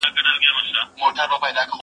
را ته ووایه عرضونه وکړم چا ته